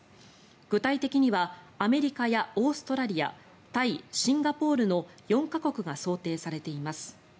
具体的にはアメリカやオーストラリアタイ、シンガポールの４か国が想定されています。